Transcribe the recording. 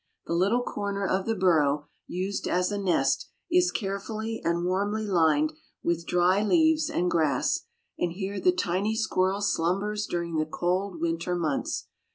The little corner of the burrow used as a nest is carefully and warmly lined with dry leaves and grass, and here the tiny squirrel slumbers during the cold winter months.